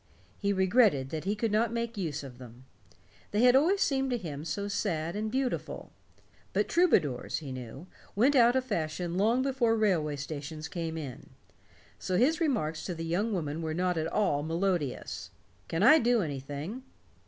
He regretted that he could not make use of them. They had always seemed to him so sad and beautiful. But troubadours, he knew, went out of fashion long before railway stations came in. So his remark to the young woman was not at all melodious: "Can I do anything?"